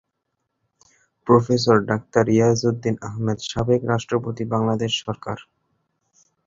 Professor doctor Iajuddin Ahmed- সাবেক রাষ্ট্রপতি, বাংলাদেশ সরকার।